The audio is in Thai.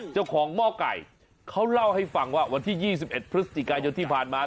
หม้อไก่เขาเล่าให้ฟังว่าวันที่๒๑พฤศจิกายนที่ผ่านมา